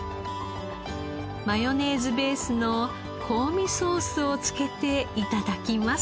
マヨネーズベースの香味ソースを付けて頂きます。